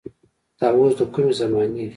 دا اوس د کومې زمانې دي.